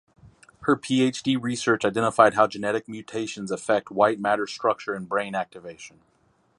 Her PhD research identified how genetic mutations affect white matter structure and brain activation.